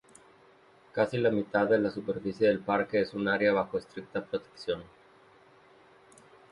Casi la mitad de la superficie del parque es un área bajo estricta protección.